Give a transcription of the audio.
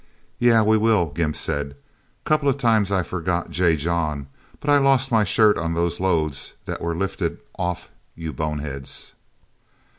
"Yeah we will," Gimp said. "Couple of times I forgot J. John. But I lost my shirt on those loads that were lifted off you boneheads.